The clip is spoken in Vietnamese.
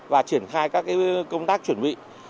và triển khai các cái công tác chuẩn bị